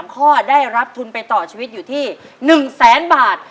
ข้อได้รับทุนไปต่อชีวิตอยู่ที่๑แสนบาท